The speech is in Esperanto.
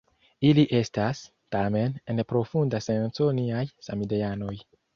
Ili estas, tamen, en profunda senco niaj samideanoj.